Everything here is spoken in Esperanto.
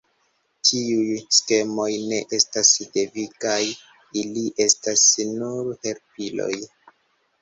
Tiuj skemoj ne estas devigaj, ili estas nur helpiloj.